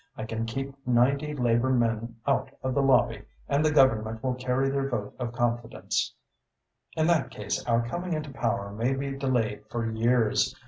I can keep ninety Labour men out of the Lobby and the Government will carry their vote of confidence. In that case, our coming into power may be delayed for years.